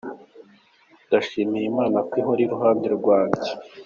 Ndashimira Imana ko ihora iruhande rwanjye”.